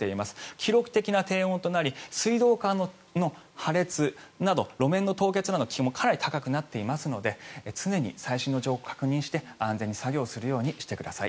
記録的な低温となり水道管の破裂など路面の凍結などの危険もかなり高くなっていますので常に最新の情報を確認して安全に作業するようにしてください。